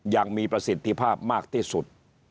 อย่างมีประสิทธิภาพมากที่สุด